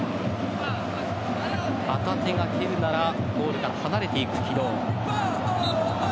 旗手が蹴るとなるとゴールから離れていく軌道。